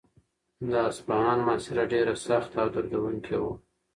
د اصفهان محاصره ډېره سخته او دردونکې وه.